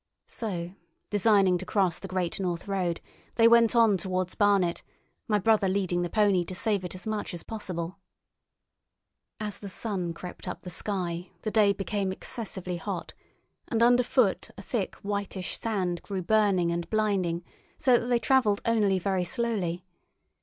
So, designing to cross the Great North Road, they went on towards Barnet, my brother leading the pony to save it as much as possible. As the sun crept up the sky the day became excessively hot, and under foot a thick, whitish sand grew burning and blinding, so that they travelled only very slowly.